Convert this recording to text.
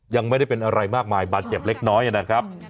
ยังไม่ได้เป็นอะไรมากมายบาดเจ็บเล็กน้อยนะครับ